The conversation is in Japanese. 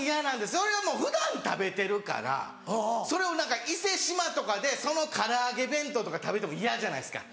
それはもう普段食べてるからそれを何か伊勢志摩とかでその唐揚げ弁当とか食べても嫌じゃないですか。